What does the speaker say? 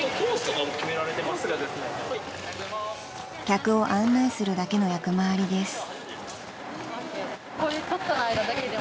［客を案内するだけの役回りです］